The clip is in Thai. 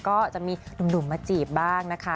ก็จะมีหนุ่มมาจีบบ้างนะคะ